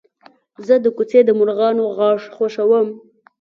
زه د کوڅې د مرغانو غږ خوښوم.